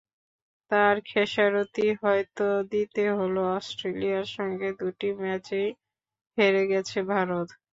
তার খেসারতই হয়তো দিতে হলো, অস্ট্রেলিয়ার সঙ্গে দুটি ম্যাচেই হেরে গেছে ভারত।